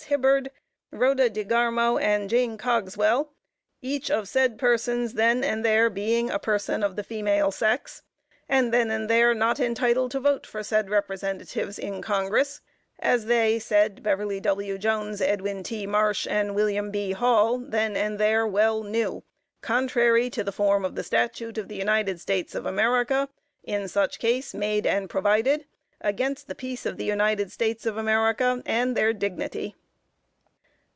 Hibbard, Rhoda DeGarmo and Jane Cogswell, each of said persons then and there being a person of the female sex, and then and there not entitled to vote for said Representatives in Congress, as they, said Beverly W. Jones, Edwin T. Marsh and William B. Hall, then and there well knew, contrary to the form of the statute of the United States of America in such case made and provided, against the peace of the United States of America and their dignity.